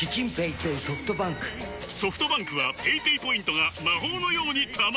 ソフトバンクはペイペイポイントが魔法のように貯まる！